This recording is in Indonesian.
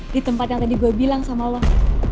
di tempat yang tadi gue bilang sama allah